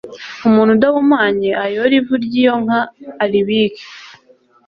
umuntu udahumanye ayore ivu ry iyo nka aribike